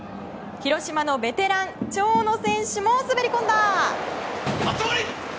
広島のベテラン長野選手も滑り込んだ！